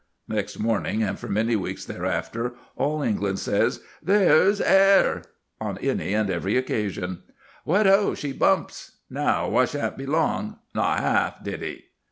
Next morning and for many weeks thereafter all England says; "There's 'air!" on any and every occasion. "What ho she bumps!" "Now, we sha'n't be long," "Not half," "Did he?"